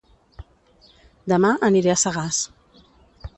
Dema aniré a Sagàs